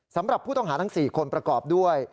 สำหรับผู้ต้องหาทั้ง๔คนประกอบด้วย